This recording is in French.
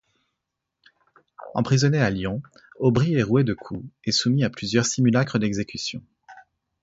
Emprisonné à Lyon, Aubry est roué de coups et soumis à plusieurs simulacres d'exécution.